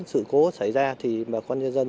sự cố xảy ra thì bà con nhân dân